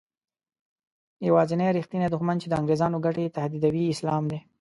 یوازینی رښتینی دښمن چې د انګریزانو ګټې تهدیدوي اسلام دی.